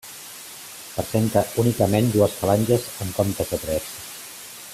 Presenta únicament dues falanges en comptes de tres.